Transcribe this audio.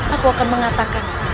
aku akan mengatakan